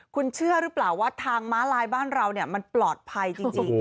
คุณเชื่อหรือเปล่าว่าทางม้าลายบ้านเรามันปลอดภัยจริง